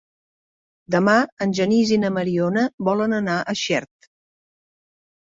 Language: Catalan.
Demà en Genís i na Mariona volen anar a Xert.